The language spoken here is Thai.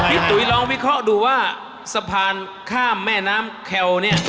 ตุ๋ยลองวิเคราะห์ดูว่าสะพานข้ามแม่น้ำแคลเนี่ย